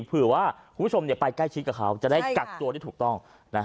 เผื่อว่าคุณผู้ชมไปใกล้ชิดกับเขาจะได้กักตัวได้ถูกต้อง